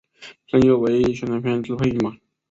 声优为宣传片之配音版。